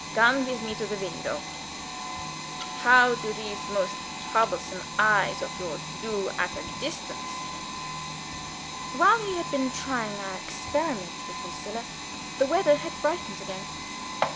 Come with me to the window. How do these most troublesome eyes of yours do at a distance?" While we had been trying our experiment with Lucilla, the weather had brightened again.